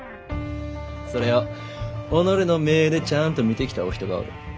それを己の目でちゃあんと見てきたお人がおる。